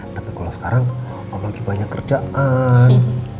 tapi kalau sekarang om lagi banyak kerjaan